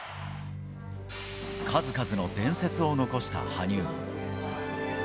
数々の伝説を残した羽生。